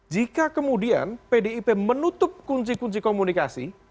jika kemudian pdip menutup kunci kunci komunikasi